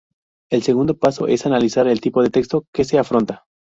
El segundo paso es analizar el tipo de texto que se afronta.